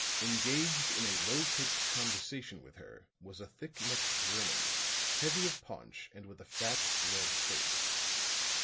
Engaged in a low pitched conversation with her was a thick necked German, heavy of paunch and with a fat, red face.